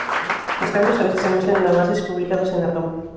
Los cambios, a veces, se anuncian en avances y publicados en Atom.